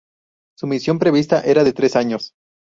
Su misión prevista era de tres años.